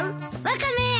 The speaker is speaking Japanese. ワカメ！